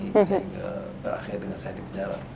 saya tidak berakhir dengan saya di penjara